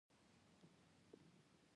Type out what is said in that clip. رساله د عربي ژبي ټکی دﺉ.